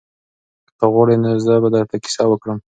که ته غواړې نو زه به درته کیسه وکړم.